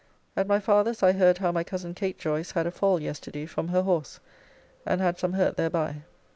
At my father's I heard how my cousin Kate Joyce had a fall yesterday from her horse and had some hurt thereby.